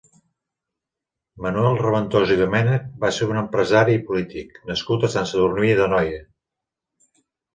Manuel Raventós i Domènech va ser un empresari i polític, nascut a Sant Sadurní d'Anoia.